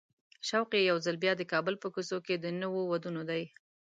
شوق یې یو ځل بیا د کابل په کوڅو کې د نویو وادونو دی.